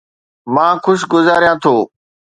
مان خوش گذاريان ٿو